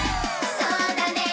そうだよ！」